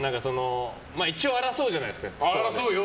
一応、争うじゃないですか。